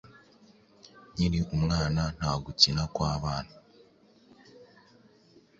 Nkiri umwana, nta gukina kwabana